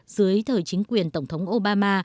dưới thời chính quyền tổng thống obama